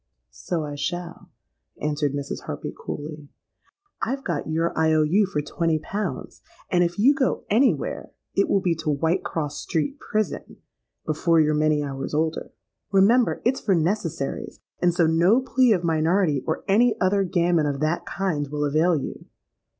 '—'So I shall,' answered Mrs. Harpy, coolly. 'I've got your I. O. U. for twenty pounds; and if you go any where, it will be to Whitecross Street prison, before you're many hours older. Remember, it's for necessaries; and so no plea of minority or any other gammon of that kind, will avail you.'